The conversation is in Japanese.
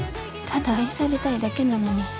ただ愛されたいだけなのに。